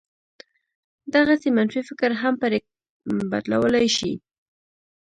دغسې منفي فکر هم پرې بدلولای شي.